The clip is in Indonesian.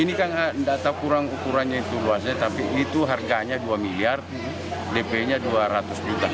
ini kan data kurang ukurannya itu luasnya tapi itu harganya dua miliar dp nya dua ratus juta